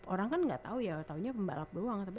orang kan gak tau ya taunya pembalap doang